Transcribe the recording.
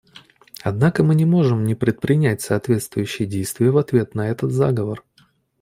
Однако мы не можем не предпринять соответствующие действия в ответ на этот заговор.